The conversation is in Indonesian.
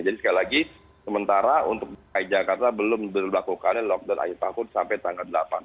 jadi sekali lagi sementara untuk jogja jakarta belum dilakukan lockdown akhir pekan sampai tanggal delapan